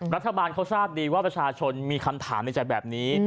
รัฐบาลเขาทราบดีว่าประชาชนมีคำถามในใจแบบนี้